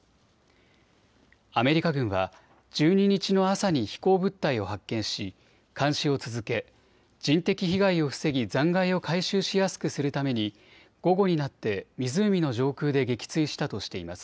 アメリカ軍は１２日の朝に飛行物体を発見し監視を続け人的被害を防ぎ、残骸を回収しやすくするために午後になって湖の上空で撃墜したとしています。